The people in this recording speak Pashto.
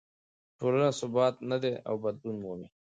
ټولنه ثابته نه ده او بدلون مومي.